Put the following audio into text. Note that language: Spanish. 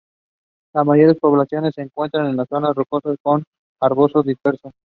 Las mayores poblaciones se encuentran en zonas rocosas, con arbolado disperso.